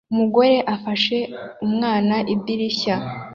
Umugore afashe umwana idirishya